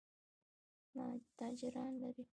تاجران لري.